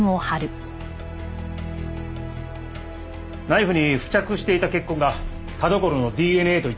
ナイフに付着していた血痕が田所のＤＮＡと一致しました。